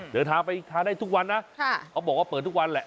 เดินทางไปทานได้ทุกวันนะเขาบอกว่าเปิดทุกวันแหละ